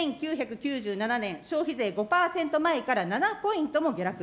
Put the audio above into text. １９９７年、消費税５％前から７ポイントも下落。